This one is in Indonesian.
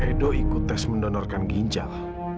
edo ikut tes mendonorkan ginjal